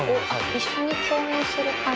一緒に共演する感じ。